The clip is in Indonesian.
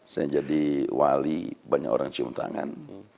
saya jadi wali banyak orang cium tangan